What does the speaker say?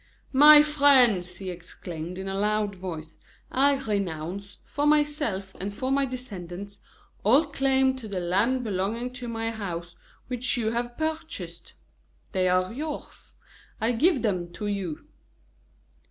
"My friends," he exclaimed, in a loud voice, "I renounce, for myself and for my descendants, all claim to the lands belonging to my house which you have purchased. They are yours I give them to you!"